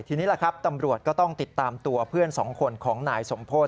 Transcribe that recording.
ทีนี้ล่ะครับตำรวจก็ต้องติดตามตัวเพื่อนสองคนของนายสมโพธิ